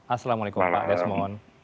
assalamualaikum pak desmond